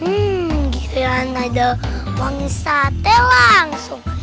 hmm kira kira ada wangi sate langsung